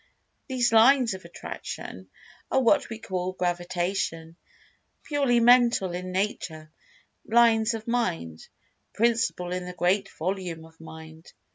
These "Lines of Attraction" are what we call Gravitation—purely Mental in nature—Lines of Mind Principle in the great volume of mind.